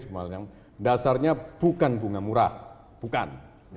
dasarnya bukan bunga murah bukan